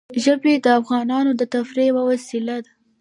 ژبې د افغانانو د تفریح یوه وسیله ده.